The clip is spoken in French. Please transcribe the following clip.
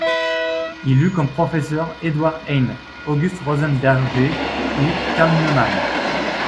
Il eut comme professeur Édouard Heine, August Rosenberger ou Carl Neumann.